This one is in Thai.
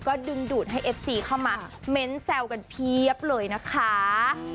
ก็ดึงดูดให้เอฟซีเข้ามาเม้นต์แซวกันเพียบเลยนะคะ